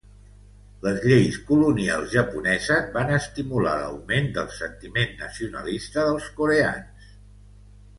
Les lleis colonials japoneses van estimular l'augment del sentiment nacionalista dels coreans.